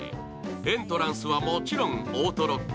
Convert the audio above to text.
エントランスはもちろんオートロック。